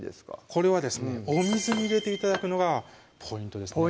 これはですねお水に入れて頂くのがポイントですね